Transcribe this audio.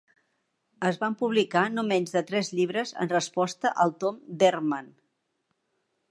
Es van publicar no menys de tres llibres en resposta al tom d'Ehrman.